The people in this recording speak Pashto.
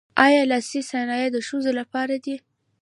آیا لاسي صنایع د ښځو لپاره دي؟